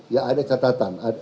ya ada catatan